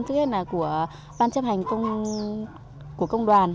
thứ nhất là của ban chấp hành công đoàn